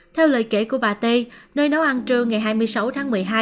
theo lời kể của bà t nơi nấu ăn trưa ngày hai mươi sáu tháng một mươi hai